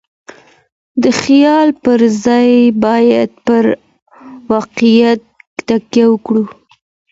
د خيال پر ځای بايد پر واقعيت تکيه وکړو.